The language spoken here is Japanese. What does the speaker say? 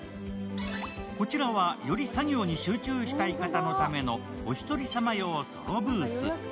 こちらはより作業に集中したい方のためのおひとり様用ソロブース。